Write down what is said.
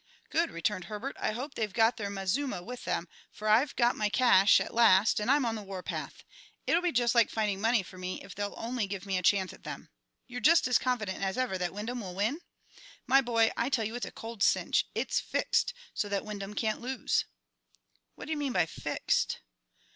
"Good!" returned Herbert. "I hope they've got their mazuma with them, for I've got my cash at last, and I'm on the warpath. It'll be just like finding money for me if they'll only give me a chance at them." "You're just as confident as ever that Wyndham will win?" "My boy, I tell you it's a cold cinch; it's fixed so that Wyndham can't lose." "What do you mean by 'fixed'?"